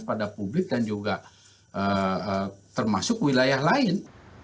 pada publik dan juga termasuk wilayah lain